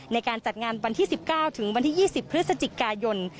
ในการจัดงานวันที่๑๙ถึงวันที่๒๐พฤศจิกายน